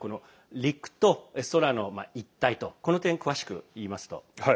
陸と空の一体とこの点、詳しく言いますと？